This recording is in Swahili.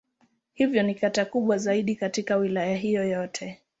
Hivyo ni kata kubwa zaidi katika Wilaya hiyo yote.